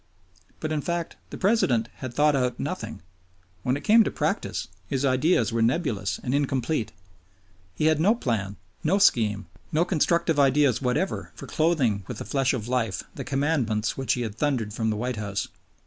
But in fact the President had thought out nothing; when it came to practice his ideas were nebulous and incomplete. He had no plan, no scheme, no constructive ideas whatever for clothing with the flesh of life the commandments which he had thundered from the White House.